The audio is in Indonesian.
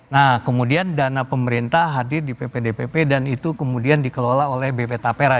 nah kemudian dana pemerintah hadir di ppdpp dan itu kemudian dikelola oleh bp tapera